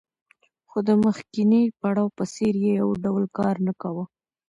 خو د مخکیني پړاو په څېر یې یو ډول کار نه کاوه